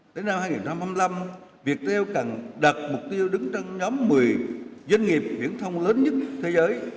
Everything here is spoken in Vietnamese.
tới năm hai nghìn hai mươi năm việt heo cần đặt mục tiêu đứng trong nhóm một mươi doanh nghiệp viễn thông lớn nhất thế giới